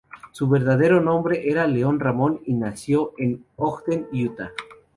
Su verdadero nombre era Leon Ramon, y nació en Ogden, Utah.